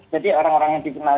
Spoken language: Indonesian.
jadi orang orang yang dikenal